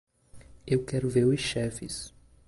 Eu quero ver os chefes.